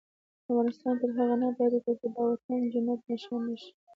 افغانستان تر هغو نه ابادیږي، ترڅو دا وطن جنت نښان نشي.